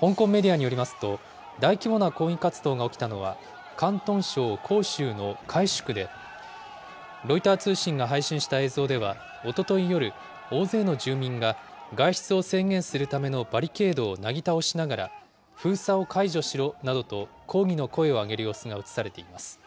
香港メディアによりますと、大規模な抗議活動が起きたのは、広東省広州の海珠区で、ロイター通信が配信した映像では、おととい夜、大勢の住民が外出を制限するためのバリケードをなぎ倒しながら、封鎖を解除しろなどと抗議の声を上げる様子が映されています。